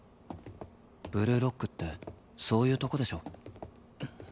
ブルーロックってそういうとこでしょ？